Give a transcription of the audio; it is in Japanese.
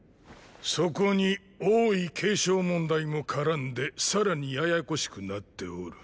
そこに王位継承問題も絡んでさらにややこしくなっておる。